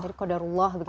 jadi kodarullah begitu ya